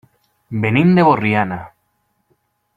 Venim de Borriana.